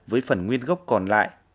với phần nguyên gốc còn lại